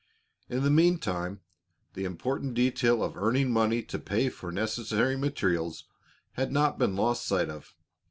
In the meantime, the important detail of earning money to pay for necessary materials had not been lost sight of.